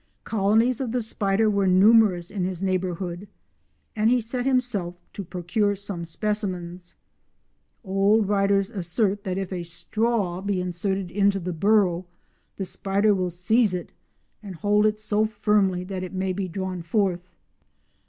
Colonies of the spider were numerous in his neighbourhood, and he set himself to procure some specimens. Old writers assert that if a straw be inserted into the burrow the spider will seize it and hold it so firmly that it may be drawn forth.